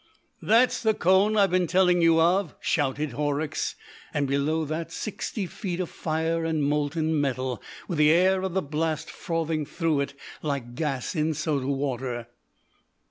"That's the cone I've been telling you of," shouted Horrocks; "and, below that, sixty feet of fire and molten metal, with the air of the blast frothing through it like gas in soda water."